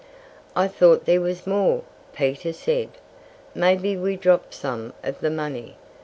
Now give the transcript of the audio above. "I thought there was more," Peter said. "Maybe we dropped some of the money.